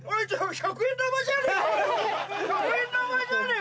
１００円玉じゃねえか？